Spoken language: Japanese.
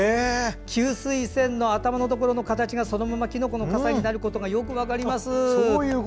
給水栓の頭のところの形がそのままきのこの傘になることがよく分かります。